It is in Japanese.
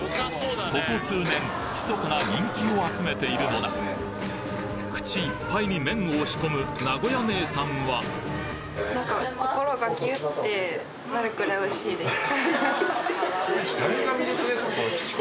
ここ数年ひそかな人気を集めているのだ口いっぱいに麺を押し込む名古屋姉さんはそうですね。